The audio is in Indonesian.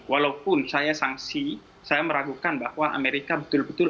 walaupun saya sangsi saya meragukan bahwa amerika betul betul